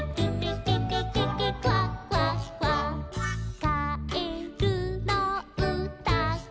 「かえるのうたが」